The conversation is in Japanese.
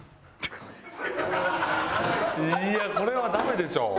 いやあこれはダメでしょ。